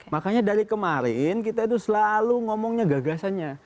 makanya dari kemarin kita itu selalu ngomongnya gagasannya